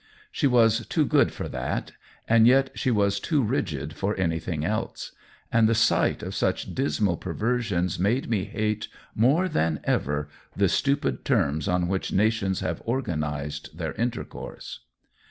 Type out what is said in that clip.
She was too good for that, and yet 8 114 COLLABORATION she was too rigid for anything else; and the sight of such dismal perversions made me hate more than ever the stupid terms on which nations have organized their in tercourse.